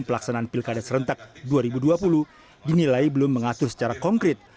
pelaksanaan pilkada serentak dua ribu dua puluh dinilai belum mengatur secara konkret